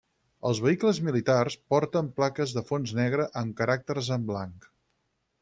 Els vehicles militars porten plaques de fons negre amb caràcters en blanc.